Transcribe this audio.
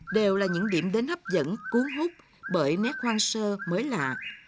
đều là những điểm đến hấp dẫn cuốn hút bởi nét hoang sơ mới lạ